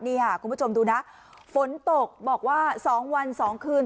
นี่ค่ะคุณผู้ชมดูนะฝนตกบอกว่า๒วัน๒คืน